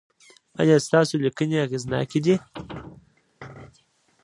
ایا ستاسو لیکنې اغیزناکې دي؟